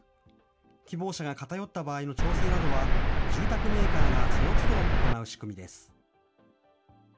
希望者が偏った場合の調整などは、住宅メーカーがそのつど行う仕組みです。